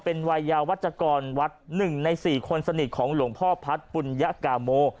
เป็นวัยยาวัชกรวัด๑ใน๔คนสนิทของหลวงพ่อพัฒน์ปุญญากาโม